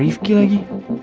sama rifqi lagi